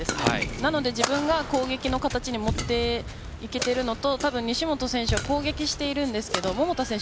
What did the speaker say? なので自分が攻撃の形に持っていけているのと西本選手が攻撃しているんですが桃田選手